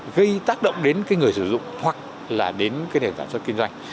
gây tác động đến cái người sử dụng hoặc là đến cái nền tảng cho kinh doanh